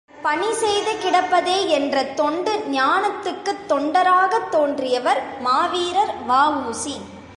என் கடன் பணி செய்து கிடப்பதே என்ற தொண்டு ஞானத்துக்குத் தொண்டராகத் தோன்றியவர் மாவீரர் வ.உ.சி!